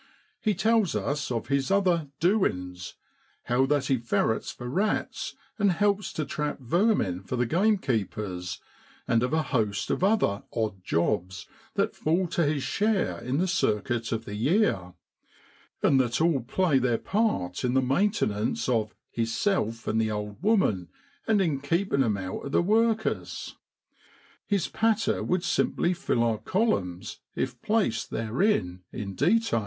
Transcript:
He tells us of his other ' doin's' how that he ferrets for rats and helps to trap vermin for the gamekeepers, and of a host of other i odd jobs' that fall to his share in the circuit of the year ; and that all play their part in the maintenance of ' hisself an' the old woman, and in keepin' 'em out of the workus.' His patter would simply fill our columns, if placed therein in detail.